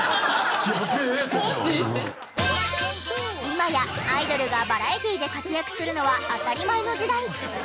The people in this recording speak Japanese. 今やアイドルがバラエティで活躍するのは当たり前の時代。